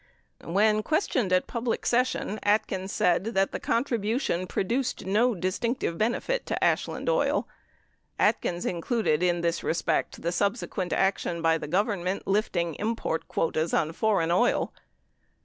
41 When questioned at public session, Atkins said that the contribution "produced [no] distinctive benefit to Ashland Oil." Atkins included in this respect the subsequent action by the Government lifting im port quotas on foreign oil.